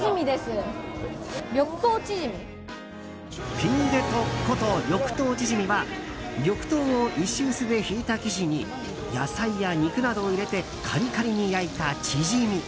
ピンデトッこと緑豆チヂミは緑豆を石臼でひいた生地に野菜や肉などを入れてカリカリに焼いたチヂミ。